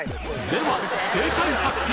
では正解発表！